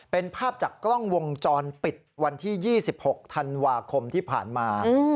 เป็นภาพจากกล้องวงจรปิดวันที่๒๖ธันวาคมที่ผ่านมา